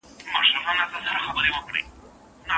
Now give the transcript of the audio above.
الله تعالی خپلو دوستانو ته برياليتوب او حتی واکمني ورکړې ده.